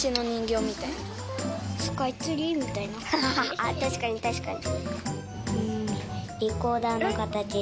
あっ確かに確かに。